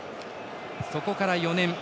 そこから４年。